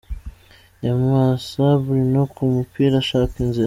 Nyamwasa Bruno ku mupira ashaka inzira .